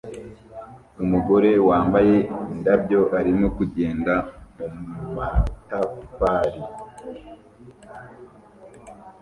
Umugore wambaye indabyo arimo kugenda mumatafari